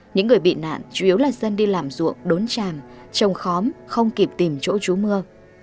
những người bị nạn chủ yếu là dân đi làm ruộng đốn tràn trồng khóm không kịp tìm chỗ chú mưa